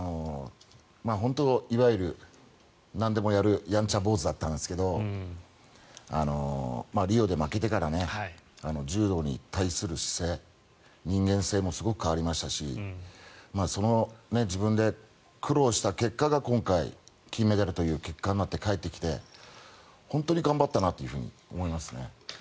本当、いわゆるなんでもやるやんちゃ坊主だったんですけどリオで負けてから柔道に対する姿勢、人間性もすごく変わりましたし自分で苦労した結果が今回、金メダルという結果になって返ってきて本当に頑張ったなと思います。